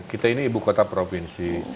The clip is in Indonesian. kita ini ibu kota provinsi